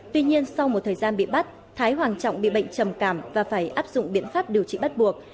tuy nhiên sau một thời gian bị bắt thái hoàng trọng bị bệnh trầm cảm và phải áp dụng biện pháp điều trị bắt buộc